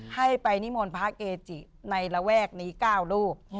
ให้ไปนิมนต์พระเกจิในระแวกนี้๙รูป